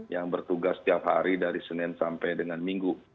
yang bertugas setiap hari dari senin sampai dengan minggu